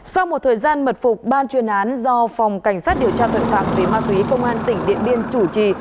sau một thời gian mật phục ban chuyên án do phòng cảnh sát điều tra tội phạm về ma túy công an tỉnh điện biên chủ trì